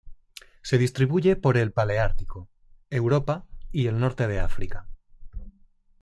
Se distribuye por el paleártico: Europa y el norte de África.